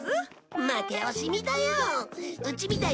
負け惜しみだよ。